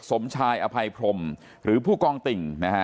สมชายอภัยพรมหรือผู้กองติ่งนะฮะ